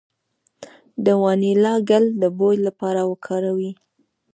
د وانیلا ګل د بوی لپاره وکاروئ